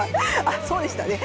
あそうでしたね。